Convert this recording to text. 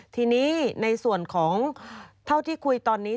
ทีนี้ในส่วนของเท่าที่คุยตอนนี้